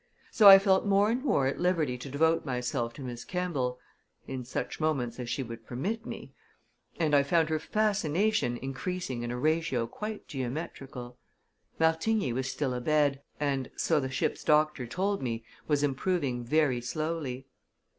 So I felt more and more at liberty to devote myself to Miss Kemball in such moments as she would permit me and I found her fascination increasing in a ratio quite geometrical. Martigny was still abed, and, so the ship's doctor told me, was improving very slowly.